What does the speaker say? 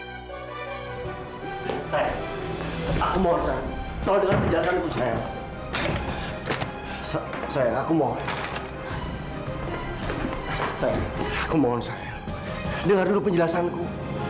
saya aku mau tahu penjelasan saya saya aku mau saya aku mohon saya dengar dulu penjelasanku